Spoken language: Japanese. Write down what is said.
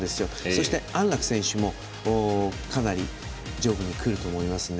そして、安楽選手もかなり上部にくると思いますね。